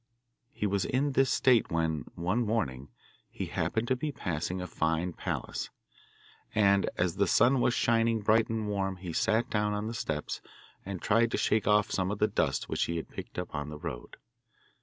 He was in this state when, one morning, he happened to be passing a fine palace; and, as the sun was shining bright and warm, he sat down on the steps and tried to shake off some of the dust which he had picked up on the road.